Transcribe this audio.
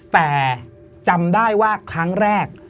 แต่จำได้ว่าครั้งแรก